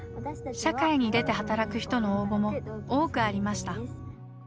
社会に出て働く人の応募も多くありました。